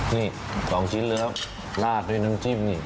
นี่๒ชิ้นแล้วลาดด้วยน้ำจิ้มนี่